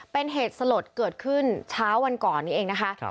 เป็นเหตุสลดเกิดขึ้นเช้าวันก่อนนี้เองนะคะ